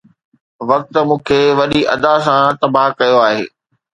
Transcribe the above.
وقت مون کي وڏي ادا سان تباهه ڪيو آهي